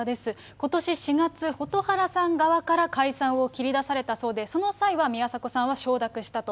ことし４月、蛍原さん側から解散を切り出されたそうで、その際は宮迫さんは承諾したと。